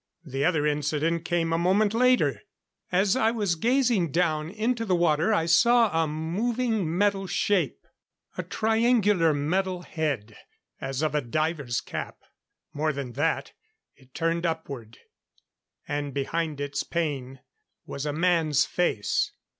The other incident came a moment later. As I was gazing down into the water I saw a moving metal shape. A triangular metal head, as of a diver's cap. More than that, it turned upward; and behind its pane was a man's face.